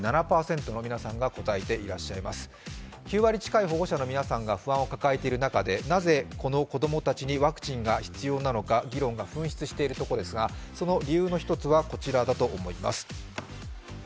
９割近い保護者の皆さんが不安を抱えている中で、なぜ子供たちにワクチンが必要なのか議論が噴出しているところですが、その理由の一つはこちらだと思います。